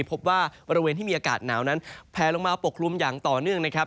พบว่าบริเวณที่มีอากาศหนาวนั้นแพลลงมาปกคลุมอย่างต่อเนื่องนะครับ